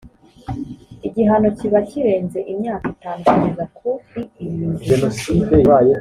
igihano kiba kirenze imyaka itanu kugeza kuri irindwi